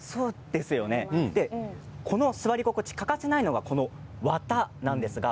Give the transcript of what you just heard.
この座り心地欠かせないのがこの綿なんです。